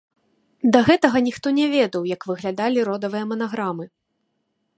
Да гэтага ніхто не ведаў, як выглядалі родавыя манаграмы.